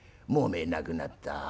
もう見えなくなった。